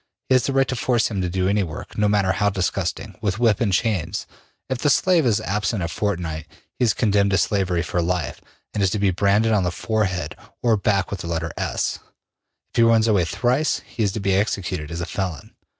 He has the right to force him to do any work, no matter how disgusting, with whip and chains. If the slave is absent a fortnight, he is condemned to slavery for life and is to be branded on forehead or back with the letter S; if he runs away thrice, he is to be executed as a felon.